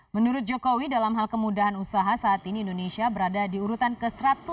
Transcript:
menurut jokowi dalam hal kemudahan usaha saat ini indonesia berada di urutan ke satu ratus enam puluh